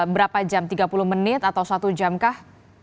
berapa jam tiga puluh menit atau satu jam kah